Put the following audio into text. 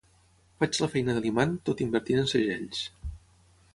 Faig la feina de l'imant tot invertint en segells.